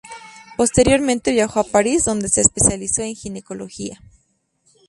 Posteriormente viajó a París, donde se especializó en ginecología.